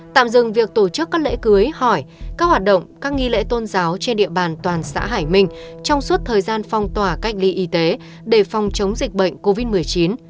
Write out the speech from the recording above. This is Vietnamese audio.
tạm dừng việc tổ chức các lễ cưới hỏi các hoạt động các nghi lễ tôn giáo trên địa bàn toàn xã hải minh trong suốt thời gian phong tỏa cách ly y tế để phòng chống dịch bệnh covid một mươi chín